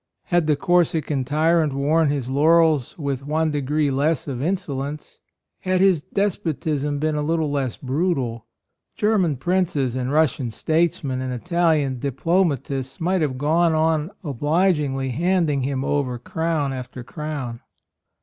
Had the Cor sican tyrant worn his laurels with one degree less of insolence, had his despotism been a little less brutal, German princes and Russian statesmen and Italian diplomatists might have gone on obligingly handing him over crown after crown.